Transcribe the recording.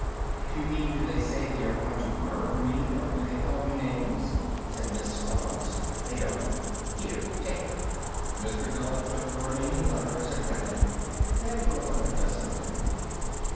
"If you mean do they say they are going to murder me, or do they call me names," said Miss Scroggs, "they don't. Here, take them!" Mr. Gubb took the remaining letters and read them. There were about a dozen of them.